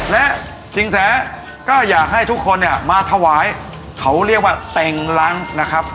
และสินแสก็อยากให้ทุกคนเนี่ยมาถวายเขาเรียกว่าเต็งล้างนะครับ